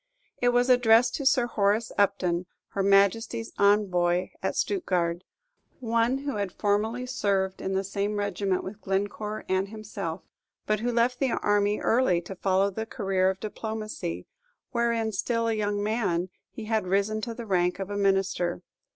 It was addressed to Sir Horace Upton, Her Majesty's Envoy at Stuttgard, one who had formerly served in the same regiment with Glencore and himself, but who left the army early to follow the career of diplomacy, wherein, still a young man, he had risen to the rank of a minister.